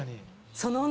その女